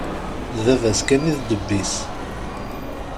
D baba-s kan i d ddeb-is.